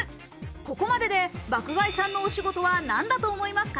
ここまでで爆買いさんの仕事は何だと思いますか？